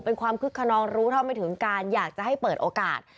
เป็นความคึกขนองรู้เท่าไม่ถึงการอยากจะให้เปิดโอกาส